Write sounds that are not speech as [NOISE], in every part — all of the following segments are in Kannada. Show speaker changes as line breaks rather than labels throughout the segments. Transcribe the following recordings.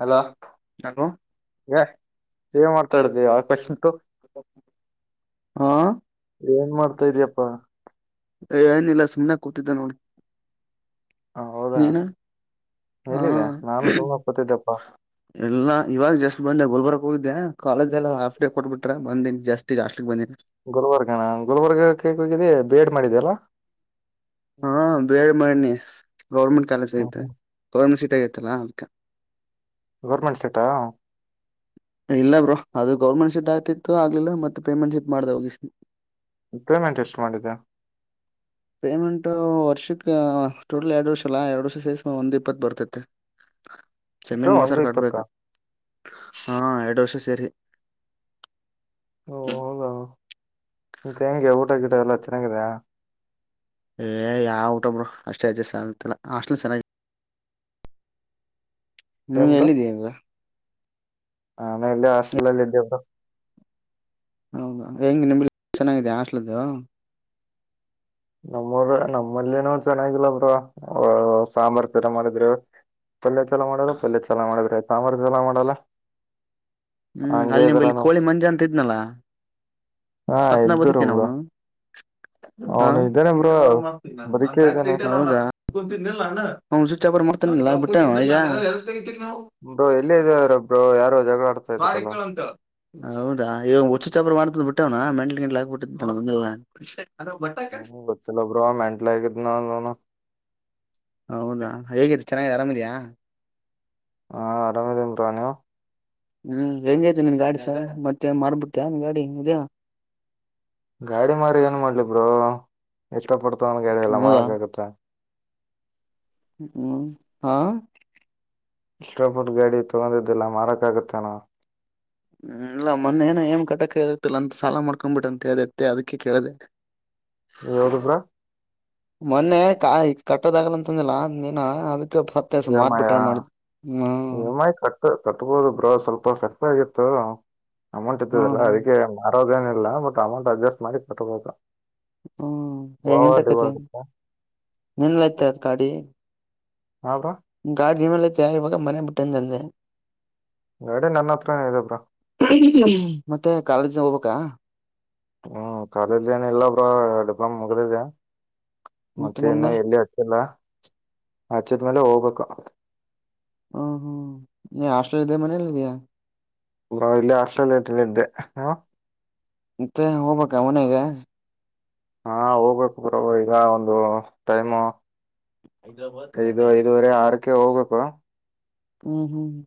ಹಲೋ ಏ ಮಾಡ್ತಾಡ್ದ ಯ ಕವಶ ಉಂಟು
ಹಾ ಲ
ಇದ್ಯಪ್ಪಾ
[UNINTELLIGIBLE] ಸುಮನೆ ಕೂತಿದ್ದ ನೋಡಿ
ಹ ಹೌದಾ
ನೀನಾ ಹಾ
ಎಲ್ಲಿದೆ ನಾನು ಸುಮ್ನೆ ಕೂತಿದ್ದೆಪ್ಪಾ
ಎಲ್ಲ ಇವಾಗ ಜಸ್ಟ್ ಬಂದೆ ಗೋಲ್ಬರ್ಗ [UNINTELLIGIBLE] ಹೋಗ್ದಿದೆ ಕಾಲೇಜ್ ಎಲ್ಲ ಹಾಫ್ ಡೇ ಕೊಟ್ಬಿಟ್ರೆ ಬಂದಿನ ಜಸ್ತಿ ಅಷ್ಟ
ಗುಲ್ಬರ್ಗಣ ಗುಲ್ಬರ್ಗ ಕಕ್ ಹೋಗಿದ್ದಿ ಬೇಡ್ ಮಾಡಿದ್ಯಲ್ಲಾ
ಹಾ ಬೇಳ್ ಮ್ಣಿ ಗೌರ್ಮೆಂಟ್ ಕಾಲೇಜ್
ಹ್ಮ
ಐತೆ ಗೌರ್ಮೆಂಟ್ [UNINTELLIGIBLE]
ಗೌರ್ಮೆಂಟ್ ಸೆಟ್ಟಾ
ಇಲ್ಲ ಬ್ರೋ ಅದು ಗೌರ್ಮೆಂಟ್ ಶೀಟ್ ಆಯತಿತ್ತು ಆಗ್ಲಿಲ್ಲ ಮತ್ತೆ ಪೇಮೆಂಟ್ ಶೀಟ್ ಮಾಡ್ದ ಹೋಗಿಸ
ಪೇಮೆಂಟ್ ಎಷ್ಟು ಮಾಡಿದ
ಪೇಮೆಂಟು ವರ್ಷಕ್ಕೆ ಟೋಟಲ್ ಎರಡು ವರ್ಷಲ್ಲ ಎರಡು ವರ್ಷ ಸೇಸ ಒಂದು ಇಪ್ಪತ್ತು ಬರ್ತತಿ ಚಮ್ಮಿ
ಎಷ್ಟು ಒಂದು
ಮೋಸಾರ್
ಇಪ್ಪತ್ತ
ಕಟ್ಬೇಕು ಹಾ ಎರಡು ವರ್ಷ ಸರಿ
ಹಓ [UNINTELLIGIBLE] ಊಟ ಗಿಡ ಎಲ್ಲ ಚೆನ್ನಾಗಾಗಿದೆಾ
ಏ ಯಾವ ಊಟೊಬ್ರು ಅಷ್ಟೇ ಅಜಜಸ್ಟ್ ಆಾಸ್ಟಲ್ ಚೆನ್ನಾಗಿ ನೀ ಎಲ್ಲಿದೀಗ
ಆೇಲೆ ಆಾಶಲ್ಲಲ್ಲ ಇದೆ ಬ್ರೋ
ಹೌದಾ ಹೆಂಗ ನಿಮ ಚೆನ್ನಾಗಿದೆ ಆಸ್ಲದುು
ನಮ್ಮರ ನಮ್ಮಲ್ಲಿನೋ ಚೆನ್ನಾಗಿಲ್ಲಬ್ರ ಸಾಂಬಾರ್ ತೀರಾ ಮಾಡಿದ್ರರು ಪಲ್ಲಯ ಜಲ ಮಾಡಲ್ಲ ಪಲ್ಯ ಚಲ ಮಾಡಿದ್ರೆ ಸಾಂಬಾರ್ ಜಲ ಮಾಡಲ್ಲ
ಹ್ಮ್
ಹಂಗೆ
ಅಲ್ಲಿ
ಇದಾರ
ನಿಮಲ್ಲಿ
ನಮ್
ಕೋಳಿ ಮಂಜು ಅಂತ ಇದ್ನಲ್ಲಾ
ಹಾ
ಸತ್ನ ಬದ
ಇದ್ದರು
ಕೆ
ಬ್ರೋ
ನವುನು ಹ
ಅವನು ಇದ್ದಾನೆ ಬ್ರೋ
[UNINTELLIGIBLE]
ಬದುಕೇ ಇದ್ದಾನೆ
ಮಾಡ್ತನಲ್ಲ ಬಿಟ್ಟು ಈಗ
ಬ್ರೋ ಎಲ್ಲೇ ಯಾರು
ಹೌದಾ ಇವ ಹುಚ್ಚು ಚಾಪರ್ ಮಾಡ್ತದ್ ಬಿ ಟ್ಟ
ಹ್ಮ ಗತ್ತಲ್ಲ ಬರ ಮೆಂಟಲ್ ಆಗಿದ್ದನ್ನ ನೋ
ಹೌದಾ ಹೇಗತ್ತು ಚೆನ್ನಾಗಿಗಿದೆ ಆರಾಮಿದ್ಯಾಾ
ಹಾ ಆರಾಮೇದ ಉಂಟವಾ ನೀವು
ಹ್ಮ್ ಹೆೇಂಜ್ ಐ್ತಿ ನಿನ್ ಗಾಡಿ ಸ ಮತ್ತೆ ಮಾರ್ಬಿಟ್ಟ್ಯಾ ನಿನ್ ಗಾಡಿ ಇದ್ಯಾ
ಗಾಡಿ ಮಾರಿ ಏನ್ ಮಾಡ್ಲಿಬರು ಇಷ್ಟ ಪಡ್ತವನ್ ಗಾಡಿ ಎಲ್ಲಾ
ಹೌದಾ
ಮಾರಕ್ ಆಗತ್ತ
ಹ್ಮ್ ಹಾ
ಇಸ್ಟ್ ಪಟ್ ಗಾಡಿ ತೊಗೊಂಡಿದ್ದಿಲ್ಲ ಮಾರಕ್ಕಾಗುತ್ತಣ
ಹ್ಮ ಇಲ್ಲ ಮೊನ್ನೆ ನ ಏನ್ ಕಟಕ ಇತ್ತಲ್ಲ ಅಂತ ಸಾಲ ಮಾಡ್ಕೊಂಡ್ಬಿಟ್ಟ ಅಂತ ಹೇಳ್ದತ್ತ ಅದಕ್ಕೆ ಕೇಳಿದೆ
ಯಾವ್ದಬ್ರಾ
ಮೊನ್ನೆ ಕ ಈ ಕಟ್ಟೋದಾಗಲ್ಲಂತಂದಿಲ್ಲನ ಅದ ಹತ್ತಸ ಮಾರ್ಬಿಟ್ಟ ಮಾಡ
ನಿಮ್ಮಾಯಿ ಕಟ್ಟ ಕಟ್ಬೋದು ಬ್ರೋ ಸ್ವಲ್ಪ ಸೆಕ್ ಆಗಿತ್ತು ಅಮೌಂಟ್
ಹ್ಮ್
ಇತದಲ್ಲಾ
ಹ್ಮ್
ಅದಕ್ಕೆ ಮ ಮಾಡೋದೇನಿಲ್ಲ ಬಟ್ ಅಮೌಂಟ್ ಅಡ್ಜಸ್ಟ್ ಮಾಡಿ ಕಟ್ಬೇಕು
ಹ್ಮ ಹ
ಗೋವಾ ಡಿವ್
ಎಂತಕತಿ
ಆಗುತ್ತಾ
ನಿನ್ಲಯ್ತ ಅದ ಗಾಡಿ
ಹಾ ಬ್ರೋ
ಇ ಗಾ ಇನಲತೆ ಆಯಭಾಗ ಮರ ಬಿಟ್ಟಂತಂದ
ಗಾಡಿ ನನ್ನ ಹತ್ರ ಇದೆ ಬ್ರೋ
ಮತ್ತೆ ಕಾಲೇಜನಾಗ ಹೋಗ್ಬೇಕಾ
ಹ್ಮ ಕಾಲೇಜ ಏನ ಇಲ್ಲಬ್ರೋ [UNINTELLIGIBLE] ಮುಗ್ದಿದೆ
ಮತ್
ಮತ್ತೆ
ಮುಂದೆ
ನು ಎಲ್ಲಿ ಹಚ್ಚಿಲ್ಲ ಹಚ್ಚಿದ್ಮೇಲೆ ಹೋಗ್ಬೇಕು
ಹ ಹ ಹಾಸ್ಟೆಲ್ ಇದೆ ಮನೇಲಿದ್ಯಾ
ಬ್ರೋ ಇಲ್ಲೇ ಹಾಸ್ಟೆಲ್ ಅಲ್ಲಿ ಇದ್ದೆ ಹೂ
ಮತ್ತೆ ಹೋಗ್ಬೇಕಾ ಮನೆಗೆ
ಹಾ ಹೋಗ್ಬೇಕು ಬ್ರೋ ಈಗ ಒಂದು ಟೈಮ್
ಹೈದ್ರಾಬಾದ್
ಐದು
ಚೆನ್ನೈ
ಐದುವರೆ ಆರಕ್ಕೆ ಹೋಗ್ಬೇಕು
ಹ್ಮ ಹ್ಮ ಹ್ಮ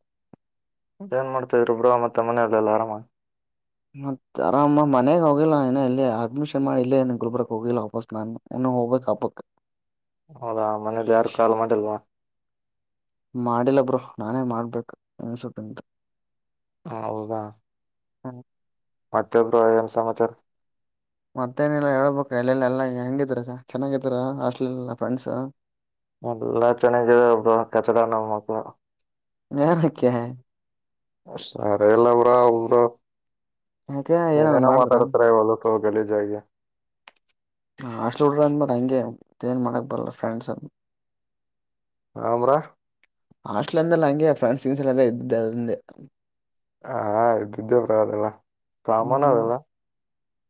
ಮ ಏನ್ ಮಾಡ್ತವ್ರೊಬ್ಬ್ರ ಮತ್ತೆ ಮನೆಯಲ್ಲೆಲ್ಲಾ ಆರಾಮ
ಮತ್ತತ್ ಆರಾಮ ಮನೆಗ್ ಹೋಗಿಲ್ಲ ಇನ ಇಲ್ಲಿ ಅಡ್ಮಿಷನ್ ಮಾಡಿಲ್ಲನ್ ಗುಲ್ಬರ್ಗ್ ಹೋಗಿಲ್ಲ ವಾಪಸ್ ನಾನು ಹೋಗಬೇಕು, ಹಬ್ಬಕ್ಕ
ಹೌದಾ ಮನಲಿ ಯಾರು ಕಾಲ ಮಾಡಿಲ್ವಾ
ಮಾಡಿಲ್ಲ ಬ್ರೋ ನಾನೇ ಮಾಡ್ಬೇಕು [UNINTELLIGIBLE]
ಹ ಹೌದಾ
ಹಾ
ಮತ್ತೆ ಬ್ರೋ ಏನ್ ಸಮಾಚಾರ
ಮತ್ತೇನಲ್ಲಾ ಹೇಳ್ಬೇಕ ಇಲ್ಲಲ್ಲ ಎಲ್ಲಾ ಹೆಂಗಿದ್ರ ಚೆನ್ನಾಗಿದ್ರ ಹಸ್ಲಫ್ರೆಂಡ್ಸ್
ಎಲ್ಲಾ ಚೆನಗ [UNINTELLIGIBLE] ಬ್ರೋ ಕಚಡ ನಮ್ಮಕ್ಕ
ಏನಕ್ಕೆ
ಸರಿ ಎಲ್ಲ ಬ್ರೋ ಅವರ
ಯಾಕೆ ಏನದ್
ಏನೇನೋ
ಮಾಡಿದ್ರ
ಮಾತಾಡತಾರೆ ಎಲ್ಲ ಬ್ರೋ ಗಲೀಜಾಗಿ
ಹಾಸ್ಟೆಲ್ ಹುಡ್ರ ಅಂದ್ಮೇಲೆ ಹಂಗೆ ಏನ್ ಮಾಡಕ್ ಬರಲ್ಲ ಫ್ರೆಂಡ್ಸ್
ಮ್ರ
ಹಾಸ್ಟೆಲ್ ಅಂದಮೇಲೆ ಹಂಗೆ ಫ್ರೆಂಡ್ ಸಿಂಗ್ಸ್ ಎಲ್ಲ ಇದ್ದೆ ಅದೆ
ಹಾ ಬ್ರೋ ಇದ್ದಿದ್ದೆ ಅವೆಲ್ಲ ಕಾಮನ್
ಹ್ಮ್
ಅವೆಲ್ಲ.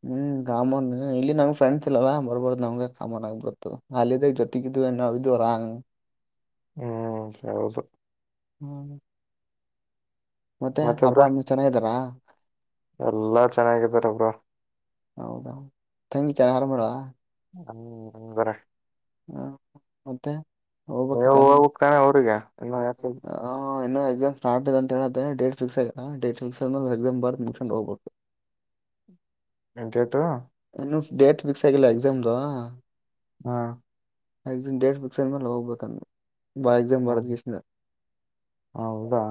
ಹ್ಮ್ ಕಾಮನ್ ಇಲ್ಲಿ ನಂಗ್ ಫ್ರೆಂಡ್ಸ್ ಇಲ್ಲ ಬರ್ಬಾರ್ದ್ ನಮ್ಗೆ ಕಾಮನ್ ಆಗ್ಬಿತ್ತತ್ತು ಅದ ಜೊತೆಗಿದವಿ ನ ಇದ್ರಾಂಗ
ಹ್ಮ್ ಹೌದು
ಹ್ಮ ಮತ್ತೆ ಅಪ್ಪ ಅಮ್ಮ ಚೆನ್ನಾಗಿದ್ದಾರಾ
ಎಲ್ಲಾ ಚೆನ್ನಾಗಿದ್ದಾರ ಬ್ರೋ
ಹೌದೌದು ತಂಗಿ [UNINTELLIGIBLE] ಮಾಡಡ
ಹ್ ಹೂ ಬೇರೆ
ಹ ಮತ್ತೆ ಹೋಗ್ಬೇಕ ಕಾಲೇಜ್
ಹೋಗ್ಬೇಕ್ ತಾನೆ ಊರ್ಗೆ
ಹ ಇನ್ನು ಎಕ್ಸಾಮ್ ಸ್ಟಾರ್ ಇ ಅಂತ ಹೇಳಿದ ೇಟ್ ಫಿಕ್ಸ್ ಆಗ ಡೇ ಫಿಕ್ಸ್ ಆದ ಎಕ್ಸಾಮ್ ಬರ್ ಮುಕೊಂಡ ಹೋಗ್ಬಬೇಕು
[UNINTELLIGIBLE]
ಇನ್ನು ಡೇಟ್ ಫಿಕ್ಸ್ ಆಗಿಲ್ಲ ಎಕ್ಸಾಮದು.
ಹಾ
ಮ್ಯಕ್ಸಿನ್ ಡೇಟ್ ಬಿಕ್ಸ್ ಆದ ಮೇಲೆ ಹೋಗ್ಬೇಕಂದ. [UNINTELLIGIBLE]
ಹೌದಾ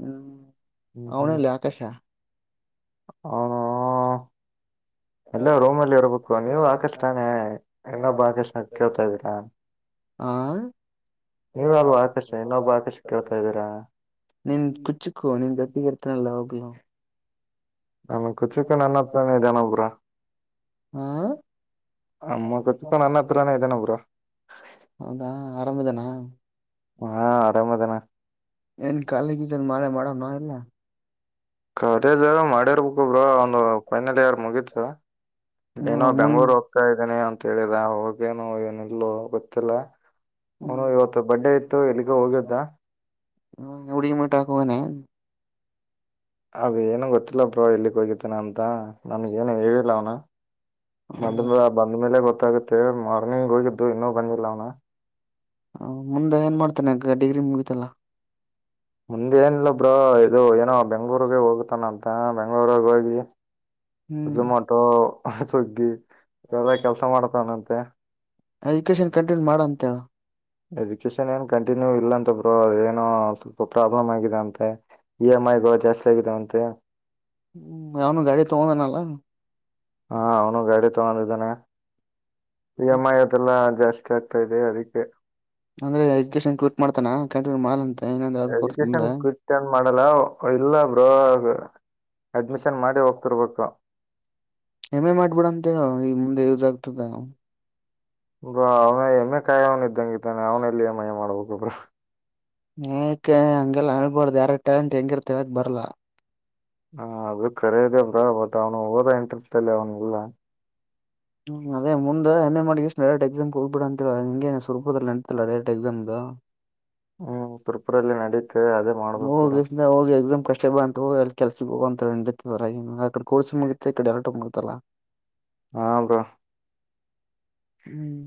ಹ್ಮ್
ಹ್ಮ್
ಅವನೆಲ್ಲಿ ಆಕಾಶ
ಹೂ
[INAUDIBLE]
ಎಲ್ಲ ರೂಮ್ ಅಲ್ಲಿ ಇರ್ಬೇಕು ನೀವು ಆಕಾಶ್ ತಾನೆ ಇನ್ನೊಬ್ಬ ಆಕಾಶ್ ಕೇಳ್ತಾ ಇದ್ದೀರಾ
ಆ
ನೀವ ಅಲ್ವಾ ಆಕಾಶ ಇನ್ನೊಬ್ಬ ಆಕಾಶ ಕೇಳ್ತಾ ಇದ್ದೀರಾ
ನೀನ್ ಕುಚಿಕ್ಕ ನೀನ್ ಕಟ್ಟಿಕತೆನಲ್ಲ ಹೋಗಲಾ
ನಮ್ಮ ಕುಚಿಕ್ಕ ನನ್ನತ್ರ ನೆ ಇದಾನೆ ಬ್ರೋ
ಹಾ
ನಮ್ಮ ಕುಚಿಕು ನನ್ನ ಹತ್ರಾನೇ ಇದ್ದಾನೆ ಬ್ರೋ
ಹೌದಾ ಆರಾಮದಾನ
ಹಾ ಆರಾಮದನ
ಏನ್ ಕಾಲಿಗ್ದನ್ ಮಳೆ ಮಾಡೋ ನ ಇಲ್ಲ
ಕಾಲೇಜ್ ಮಾಡಿರ್ಬೇಕಕ್ಬ್ರ ಒಂದು ಫೈನಲ್ ಇಯರ್ ಮುಗಿದ
ಹ್ಮ
ಏನೋ
ಮುನ್
ಬೆಂಗಳೂರ್ ಹೋಗ್ತಾ ಇದ್ದೀನಿ ಅಂತ ಹೇಳಿದ ಹೋಗ್ೇನು ಏನ ಇಲ್ಲ ಗೊತ್ತಿಲ್ಲ ಅವನು ಇವತ್ತು ಬಡ್ಡೇ ಇತ್ತು ಎಲ್ಲಿಗೂ ಹೋಗಿದ್ದ
ಹ್ಮ ಎಡಿಯ ಮಟಾಕವಣೆ
ಅದು ಏನು ಗೊತ್ತಿಲ್ಲ ಬ್ರೋ ಎಲ್ಲಿಕ್ಕ ಹೋಗಿತೇನ ಅಂತ ನನ್ಗ ಏನು ಹೇಳಿಲ್ಲ ಅವ್ನ ಬಂದ್
ಹೌದಾ,
ಬಂದ್ಮೇಲೆ ಗೊತ್ತಾಗುತ್ತೆ ಮಾರ್ನಿಂಗ್ ಹೋಗಿದ್ದು ಇನ್ನೂ ಬಂದಿಲ್ಲ ಅವನ
ಹ ಮುಂದೆ ಏನ್ ಮಾಡ್ತೇನೆ ಈಗ ಡಿಗ್ರಿ ಮುಗಿತಲ್ಲಾ
ಮುಂದೇನಿಲ್ಲೊಬ್ರ ಇದು ಏನೋ ಬೆಂಗ್ಳೂರ್ಗ ಹೋಗತಾನ ಅಂತ ಬೆಂಗ್ಳೂರ್ಾಗ ಹೋಗಿ ಝೊಮಾಟೊ ಸುಗ್ಗಿ ಎವೆಲ್ಲ ಕೆಲ್ಸ
ಹ್ಮ್
ಮಾಡತಾನಂತೆ
ಎಜುಕೇಶನ್ ಕಂಟಿನ್ಯೂ ಮಾಡ ಅಂತ ಹೇಳ
ಎಜುಕೇಶನ್ ಏನ್ ಕಂಟಿನ್ಯೂ ಇಲ್ಲ ಅಂತ ಬ್ರರು ಅದ ೇನೋ ಸ್ವಲ್ಪ ಪ್ರಾಬ್ಲಮ್ ಆಗಿದೆ ಅಂತೆ ಇ ಎಮ್ ಐಗ ಜಾಸ್ತಿ ಆಗಿದಾವಂತೆ
ಹ್ಮ ಅವಾವನು ಗಾಡಿ ತಗೊಂಡನಲ್ಲ
ಹಾ ಅವನು ಗಾಡಿ ತಗೊಂಡಿದ್ದಾನೆ ಇ ಎಮ್ ಐ ಆತಿಲ್ಲ ಜಾಸ್ತಿ ಹೆಚ್ಚಾಗಗ್ತಾ ಇದೆ ಅದಕ್ಕೆ
ಅಂದ್ರೆ ಎಜುಕನ್ ಕವಿಟ್ ಮಾಡ್ತಾನ ಕಂಟ ಮಾಡ ಅಂತ
ಎಜುಕೇಶನ್ ಕ್ವಿಟನ್ ಮಾಡಲ್ಲ ಇಲ್ಲ ಬ್ರೋ ಅಡ್ಮಿಷನ್ ಮಾಡಿ ಹೋಗ್ತಿರ್ಬೇಕು
ಹೆಮ್ಮೆ ಮಾಡ್ಬಿಡಂತೇಳ ಈಗ ಮುಂದೆ ಯೂಸ್ ಆಗ್ತದೆ
ಬ್ರಾ ಅವ್ನ ಹೆಮ್ಮೆ ಕಾಯಿ ಅವನ ಇದ್ದಂಗಿತಾನೆ ಅವ್ನ ಎಲ್ಲಿ ಮಯ ಮಾಡ್ಬೇಕಬ್ರಾ
ಏಕ ಹಂಗೆಲ್ಲ ಹಳ್ಬಾರ್ದ ಯಾರ ಟ್ಯಾಲೆಂಟ್ ಹೆಂಗಿರ್ತವಕ್ ಬರ್ಲಾ
ಹಾ ಅದು ಕರೆದೆಬ್ರಾ ಬಟ್ ಅವನು ಓರ ಎಂಟ್ರೆಸ್ ಅಲ್ಲಿ ಅವನುಲ್ಲ
ಹ್ಮ ಅದೇ ಮುಂದೆ ಹೆಮ್ಮೆ ಮಾಡಿ ಎಷ್ಟು ಡರೆಟ್ ಎಕ್ಸಾಮ್ಗೆ ಹೋಗಬ ಬಿಿಡ ಅಂತವ ನಿಂಗೆ ಸ್ವೂಪದಲ್ಲಿ ನೆಂತಲ್ಲ ಡಟ್ ಎಕ್ಸಾಮ್
ಹ್ಮ್ ತುರ್ಪುರಲ್ಲಿ ನಡೀ
ಹೋಗ ಹೋಗಿ ಎಕ್ಸಾಮ್ ಕಷ್ಟ ಶಕ್ಷೆ ಬಂತ ಅಲ್ಲಿ ಕೆಲ್ಸಿ ಹೋಗ ಅಂತಡೆ ಕೋರ್ಸ್ ಮುಗ ಈ ಕಡೆ ಎರಟ ಮುಗತಲ್ಲಾ
ಹಾ ಬಾ
ಹ್ಮ್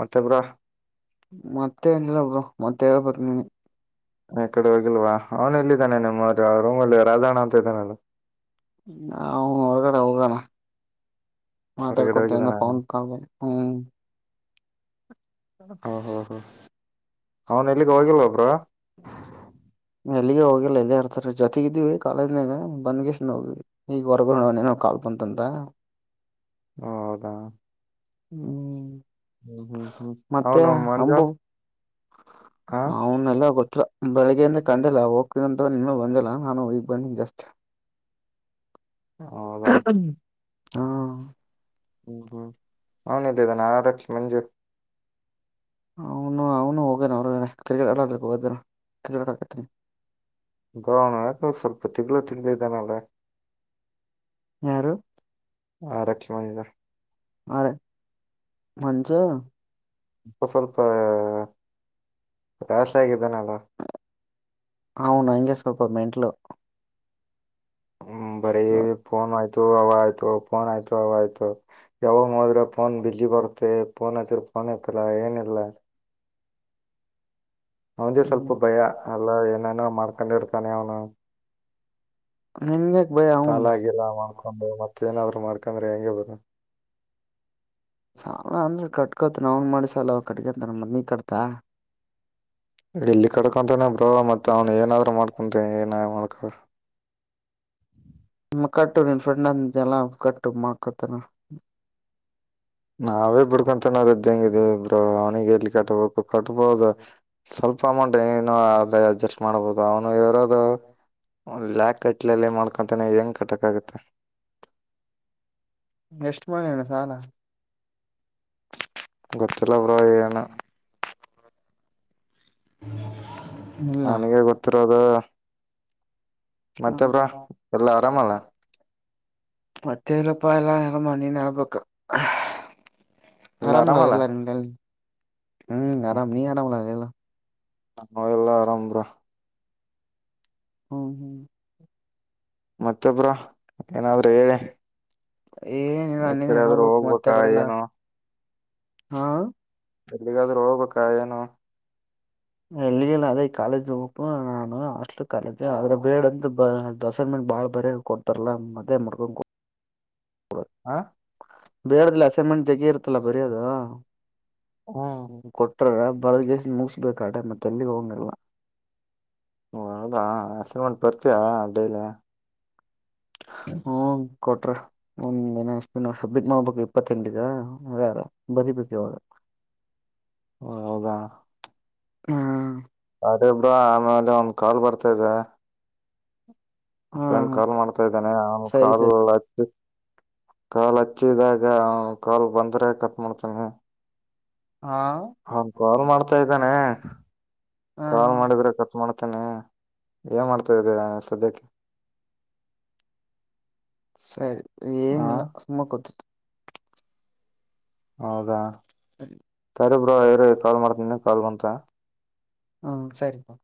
ಮತ್ತೆ ಬ್ರೋ
ಮತ್ತೆ ಎಲ್ಲ ಮತ್ತೆಲ್ಲನೆ
ಈ ಕಡೆ ಹೋಗಿಲ್ವಾ ಅವನು ಇಲ್ಲಿದ್ದಾನೆ ನಿಮ್ಮ್ರ ರೂಮ್ಲ್ಲಿ ರಾಜಣ್ಣ ಅಂತ ಇದ್ದಾನ ಅಲ್ಲ.
ಹ ಹ ಅವಗಡೆ ಹಗಣ
ಹೊರಗಡೆ
ಮಾತಾಡ್ಕೊತಂದ
ಹೋಗಿದ್ದಾನ
ಪೌನ್ ಕಬ ಹ್ಮ್
ಹಾ ಹಾ ಹಾ
ಎಲ್ಲಿಗೆ ಹೋಗಿಲ್ಲದೆ. ಜೊತೆಗ ಇದೀವಿ ಕಾಲೇಜ್ನಾಗ ಬಂದ್ಷ್ಟ ನೋಗ್ವಿ ಈಗ ಹೊರಗೋವನ ಕಾಲ್ ಬಂತಂತ
ಹ ಹೌದಾ.
ಹ್ಮ್.
ಹ್ಮ್ ಹ್ಮ್ ಹ್ಮ್ ತಾವ ನ ಮಂಜ
ಅವನಲ್ಲ ಗೊತ್ತಿಲ್ಲಾ ಬೆಳಿಗ್ಗೆಯಿಂದ ಕಂಡಲ್ಲ ಹೋಗ ತ ನಿನ್ನ ಬಂದಲ್ಲ ನಾನು ಈಗ ಬಂದಿ ಜಾಸ್ಟ್
ಹದಾ.
ಹಾ.
ಹ್ಮ್ ಹ್ಮ್ ಹನ ಇದ್ದದಾನ ಆರಕ್ಷ ಮಂಜೂ
ಅವನು ಅವನು ಹೋಗ್ಯಾನ ಅವ್ರ ಕ್ರಿಕೆಟ್ ಆಡ್ರ ಹೋಗ ಕ್ರಿಕೆಟ್ ಆತನಿ
ಬೌಣ ಯ ಸ್ವಲ್ಪ ತಿಗ್ಳ ತಿಗ್ಳ ಇದಾನಲ್ಲ.
ಯಾರು
ಹಾ ರಕ್ಷಿ ಮಾಡ ಸರ್.
ಅ ರ ಮಂಸ
ಸ್ವಲ್ಪ ರಾಶ ಆಗಿದ್ದಾನಲ್ಲ.
ಹನ್ ಹಂಗೆ ಸ್ವಲ್ಪ ಮೆಂಟ್ಲು
ಹ್ಮ ಬರನ್ ಆಯ್ತ. ಅವ ಆಯ್ತು ಫೋನ್ ಆಯ್ತು ಅವ ಆಯ್ತು ಯಾವಾಗ ನೋಡಿದ್ರೆ ಫೋನ್ ಬಿಲ್ಲಿ ರೋನ್ಯ ನ್ ಇತ್ತಲ ಏನಿಲ್ಲ. ಅವದೇ
ಹ್ಮ್
ಸ್ವಲ್ಪ ಭಯ ಎಲ್ಲ ಏನೇನೋ ಮಾಡ್ಕೊಂಡಿರ್ತಾನೆ ಅವನು
ನಿನ್ಗ್ಯಾಕ್ ಭಯ ಅವಂದ್
ಸಾಲಾಗಿಲ್ಲ ಮಾಡ್ಕೊಂಡು ಮತ್ತ ಏನಾದ್ರು ಮಾರ್ಕ ಕಮರ ಆ ಹ
ಸಾಲ ಅಂದ್ರ ಕಟ್ಕೋತ ನ ಅವನ್ ಮಾಡಿಸಾಲ ಅವ ಕಟ್ಕಂತ ಮನಿ ಕಟ್ತ
ಇಲ್ಲಿ ಕಡ್ಕೊಂತನ ಬೋ ಮತ್ತತ್ ಅವ್ನು ಏನಾದ್ರರು ಮಾಡ್ಕೊಂತಿ ಏನ ಮಾಡ್ಕ
[INAUDIBLE] ನ ಕಟ್ಟುನ್ ಫ್ರೆಂಡ ಅಲ್ಲ ಕಟ್ಟು ಮಾ ಕತ್ತನ.
ನಾವೇ ಬಿಡ್ಕೊಂತನೋದ ಹೆಂಗಿದ್ ಇಬ್ರು ಅವ್ನಿಗೆ ಎಲ್ಲಿ ಕಾ ಹಬೇಕು. ಕಟ್ಬೋದು ಸ್ವಲ್ಪ ಅಮೌಂಟ್ ಏನನು ಆದ್ರ ಅಡ್ಜಸ್ಟ್ ಮಾಡ್ಬೋದು ಅವನು ಇರ್ದ ಒಂದು ಲಾಕ್ ಕಟ್ಲಲ್ಲಿ ಮಾಡ್ಕೊಂತಾನೆ ಹೆಂಗ್ ಕಟ್ಟಕ್ ಆಗತ್ತೆ.
ಎಷ್ಟ ಮಾಡನು ಸಾಲ
ಗೊತ್ತಿಲ್ಲ ಬ್ರೋ ಏನು
ಹ್ಮ.
ನನಗೆ ಗೊತ್ತಿರೋದ. ಮತ್ತಬ್ರ ಎಲ್ಲಾ ಆರಾಮಲ್ಲ
ಮತ್ತೆ ಇರಪ್ಪ ಎಲ್ಲ ನರ ಮನ್ನಿ ನಬೇಕ
ಎಲ್ಲ
ಅರಾಮಲ
ಆರಾಮಲ್ಲ
ಅವಲ್ಲಾರಂಗ ಹ್ಮ್ ಆರಾಮ ನೀ ಆರಾಮ ಲಲ್ಲ
ನ ಎಲ್ಲಾ ಆರಾಮ್ರ
ಹ್ಮ್ ಹ್ಮ್.
ಮತ್ತೊಬ್ರ ಏನಾದ್ರೂ ಹೇಳಿ. ಎಕಡೆಾದ್ರೂ
ಏನಬೇಕು ಮತ್ತ
ಹೋಗ್ಬೇಕಾ
ಕಡೆಲ್ಲ
ಏನು
ಹಾ
ಎಲ್ಲಿಗಾದ್ರೂ ಹೋಗ್ಬೇಕಾ ಏನು
ಎಲ್ಲಿಲ್ಲ ಅದೇ ಕಾಲೇಜ್ ಹು ನಾನು ಹಾಸ್ಟ್ಲ್ ಕಾಲೇಜ ಅದ್ರ ಬೇಡ ಅಂತ ದಸರ ಮ ಬಾಳ್ ಬರ ಕೊಡ್ತಾರಲ್ಲಾ ಮದ್ ಮಾಡ್ಕೊಂಡ್
ಹಾ
ಬೇಡಲ್ಲಿ ಅಸೈನ್ಮೆಂಟ್ ಜಗ ಇರುತ್ತಲ್ಲ ಬರಿೋದ
ಹ್ಮ
ಬರದಗೆಸ ಮುಗಸ್ಬೇಕಾಡ ಮತ್ತೆಲ್ಲಿ ಹೋಗಂಗಲ್ಲ
ದಾ ಅಸಲ್ಮಂಟ್ ಪರ್ಚಿಯಾ ಅಡೇಲಿ
ಹ ಹ್ಮ ಕೊಟ್ರ ಒಂದ್ ಮಷ್ಟ ನಬ್ಬತ್ ಮಾಡಬೇಕು ಇಪ್ಪತ್ತೆಂಟರಾರ ಹ
ಹ ಹೌದಾ
ಹ್ಮ್
ಅದೇ ಬ್ರೋ ಆಮೇಲೆ ಒಂದ್ ಕಾಲ್ ಬರ್ತಾದೆ ಅಪ್ಪ ನ್
ಹ್ಮ್
ಕಾಲ್ ಮಾಡ್ತಾ ಇದ್ದೇಾನನೆ ಅವನ್
ಸರಿ
ಕಾಲ್
ಸರಿ
ಹಚ್ಚಿ ಕಾಲ್ ಹಚ್ಚಿದಾಗ ಕಾಲ್ ಬಂದ್ರೆ ಕಟ್ ಮಾಡ್ತಂಗಿ
ಹಾ
ಹನ್ ಕಾಲ್ ಮಾಡ್ತಾ
ಹ
ಇದ್ದಾನೆ ಕಾಲ್ ಮಾಡಿದ್ರೆ ಕಟ್ ಮಾಡ್ತೇನೆ ಏನ್ ಮಾಡ್ತಾ ಇದಿರ ಸದ್ಯಕ್ಕೆ
ಸರಿ
ಹ
ಏನಿಲ್ಲ ಸುಮ್ಮ ಕ ಗೊತ್ತ
ಹೌದಾ ಸರಿಬ್ರ ರಿ ಕಾಲ್ ಮಾಡ್ತೀನಿ ಕಾಲ್ ಬಂತ
ಹ್ಮ್ ಸರಿತಾ